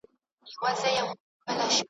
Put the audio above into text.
هم مرغان هم څلور بولي یې خوړله .